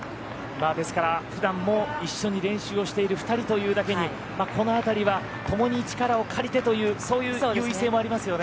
ですから、普段も一緒に練習をしている２人というだけにこの辺りはともに力を借りてというそういう優位性もありますよね。